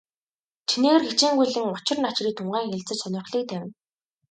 Чинээгээр хичээнгүйлэн учир начрыг тунгаан хэлэлцэж, сонирхлыг тавина.